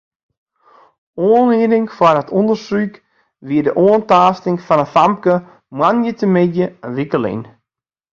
Oanlieding foar it ûndersyk wie de oantaasting fan in famke moandeitemiddei in wike lyn.